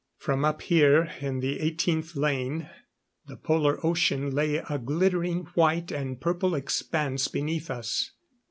From up here in the 18th lane, the Polar ocean lay a glittering white and purple expanse beneath us.